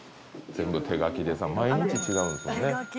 全部手書きでさ毎日違うんですよね。